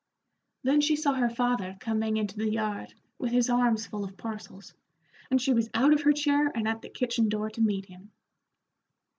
Then she saw her father coming into the yard with his arms full of parcels, and she was out of her chair and at the kitchen door to meet him.